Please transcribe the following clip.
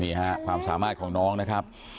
นี่ฮะความสามารถของน้องนะครับ